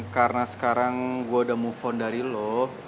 karena sekarang gua udah move on dari lo